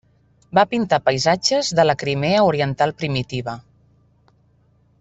Va pintar paisatges de la Crimea oriental primitiva.